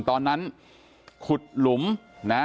ตอนนั้นขุดหลุมนะ